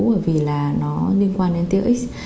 bởi vì là nó liên quan đến tiêu ích